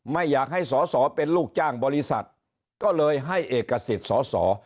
ไม่อยากให้สอสอเป็นลูกจ้างบริษัทก็เลยให้เอกสิทธิ์สอสอ